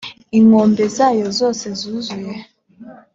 inkombe zayo zose zuzuye